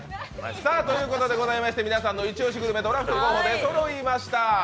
皆さんの一押しグルメドラフトグルメ、出そろいました。